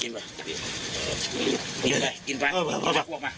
กินไหม